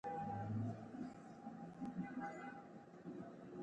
ډاکټره وویل چې سونا او یخو اوبو تجربه باید خوندي وي.